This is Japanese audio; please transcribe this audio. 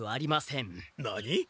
何？